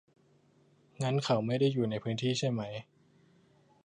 งั้นเขาไม่ได้อยู่ในพื้นที่ใช่ไหม